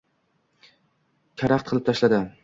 karaxt qilib tashladi.